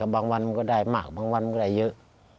บางวันมันก็ได้มากบางวันก็ได้เยอะ